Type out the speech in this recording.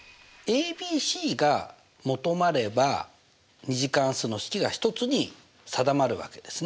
ｂｃが求まれば２次関数の式が１つに定まるわけですね。